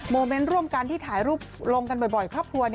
เมนต์ร่วมกันที่ถ่ายรูปลงกันบ่อยครอบครัว